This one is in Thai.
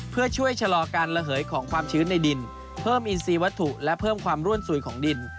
เพื่อช่วยชะลอการระเหยของความชื้นในดินเพิ่มอินซีวัตถุและเพิ่มความร่วนสุยของดิน